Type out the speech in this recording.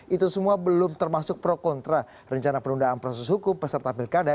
itu semua belum termasuk pro kontra rencana penundaan proses hukum peserta pilkada